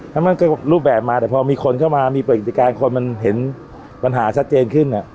แล้วมันก็รูปแบบมาแต่พอมีคนเข้ามามีประกิจการคนมันเห็นปัญหาชัดเจนขึ้น